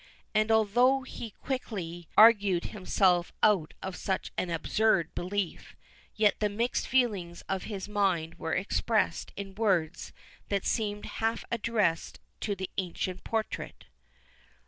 And although he quickly argued himself out of such an absurd belief, yet the mixed feelings of his mind were expressed in words that seemed half addressed to the ancient portrait.